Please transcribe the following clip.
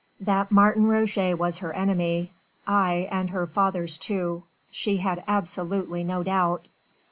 That Martin Roget was her enemy aye and her father's too she had absolutely no doubt.